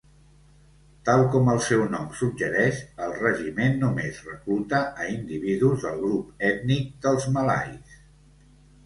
Tal com el seu nom suggereix, el regiment només recluta a individus del grup ètnic dels malais.